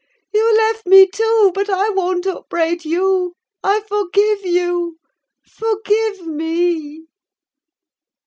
You left me too: but I won't upbraid you! I forgive you. Forgive me!"